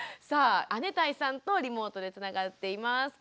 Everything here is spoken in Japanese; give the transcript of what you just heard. さあ姉帶さんとリモートでつながっています。